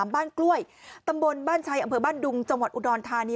บ้านกล้วยตำบลบ้านชัยอำเภอบ้านดุงจังหวัดอุดรธานี